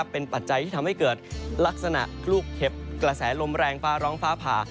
เป็นปัจจัยที่ทำให้เกิดลักษณะลูกเข็บกระแสลมแรงฟ้าร้องฟ้าผ่า